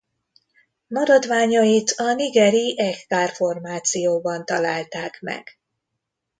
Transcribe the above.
Maradványait a nigeri Echkar-formációban találták meg.